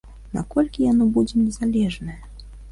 Наколькі яно будзе незалежнае?